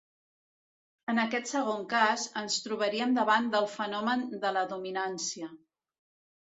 En aquest segon cas, ens trobaríem davant del fenomen de la dominància.